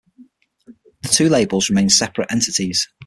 The two labels remain separate entities.